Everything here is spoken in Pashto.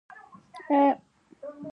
د نجونو تعلیم د ماشومانو واکسین مرسته کوي.